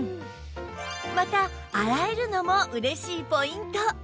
また洗えるのも嬉しいポイント